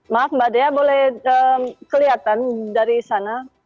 maaf mbak dea boleh kelihatan dari sana